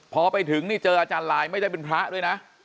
พอไปถึงนี่เจออาจารย์ลายไม่ได้เป็นพระด้วยนะ